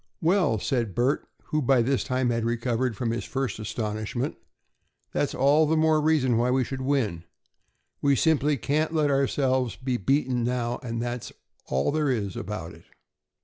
"Well," said Bert, who by this time had recovered from his first astonishment, "that's all the more reason why we should win. We simply can't let ourselves be beaten now, that's all there is about it."